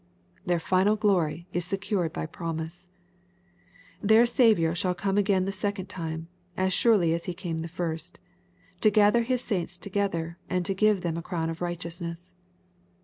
Their final glory is secured by promise. Their Saviour shall come again the second time^ as surely as He came the first, — to gather His saints together and to give them a crown of righteousness.